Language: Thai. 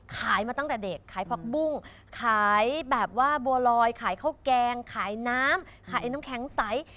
ขายมาตั้งแต่เด็กขายผักบุ้งขายแบบว่าบัวลอยขายข้าวแกงขายน้ำขายน้ำแข็งใส